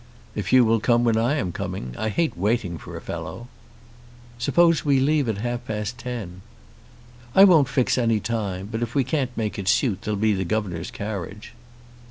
"If you will come when I am coming. I hate waiting for a fellow." "Suppose we leave at half past ten." "I won't fix any time; but if we can't make it suit there'll be the governor's carriage."